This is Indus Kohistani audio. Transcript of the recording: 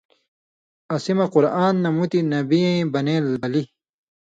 اسی مہ قران نہ مُتیۡ نبیؑ ایں بنیلۡ بلی